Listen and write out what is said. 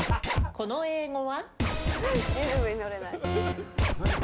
この英語は？